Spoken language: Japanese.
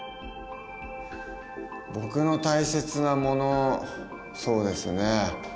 僕の大切なものそうですね。